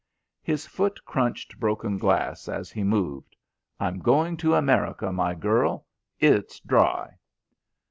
His foot crunched broken glass as he moved. "I'm going to America, my girl. It's dry."